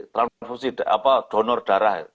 transfusi apa donor darah